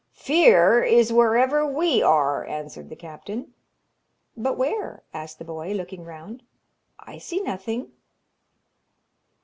'Fear is wherever we are,' answered the captain. 'But where?' asked the boy, looking round. 'I see nothing.'